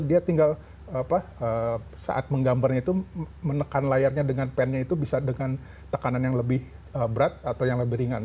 dia tinggal saat menggambarnya itu menekan layarnya dengan pennya itu bisa dengan tekanan yang lebih berat atau yang lebih ringan